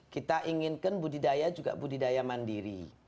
kita inginkan budidaya juga budidaya mandiri